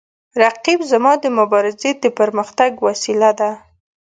رقیب زما د مبارزې د پرمختګ وسیله ده